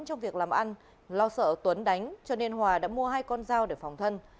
trong việc làm ăn lo sợ tuấn đánh cho nên hòa đã mua hai con dao để phòng thân